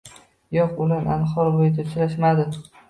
Yo‘q, ular Anhor bo‘yida uchrashmadi.